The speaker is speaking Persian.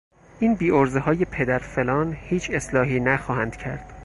این بیعرضههای پدر -- فلان -- هیچ اصلاحی نخواهند کرد.